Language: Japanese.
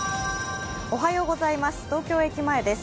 東京駅前です。